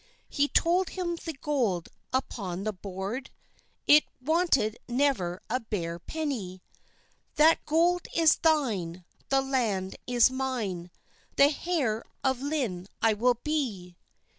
He told him the gold upon the bord, It wanted never a bare penny. "That gold is thine, the land is mine, The heire of Lynne I will bee."